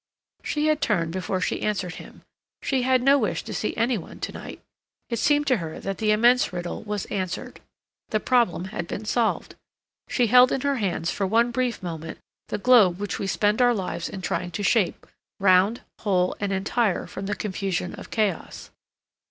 She had turned before she answered him. She had no wish to see any one to night; it seemed to her that the immense riddle was answered; the problem had been solved; she held in her hands for one brief moment the globe which we spend our lives in trying to shape, round, whole, and entire from the confusion of chaos.